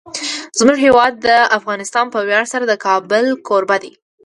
زموږ هیواد افغانستان په ویاړ سره د کابل کوربه دی.